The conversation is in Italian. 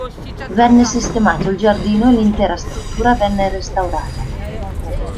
Venne sistemato il giardino e l'intera struttura venne restaurata.